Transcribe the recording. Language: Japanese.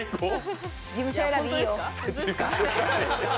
事務所選び、いいよ。